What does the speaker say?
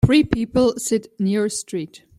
Three people sit near a street.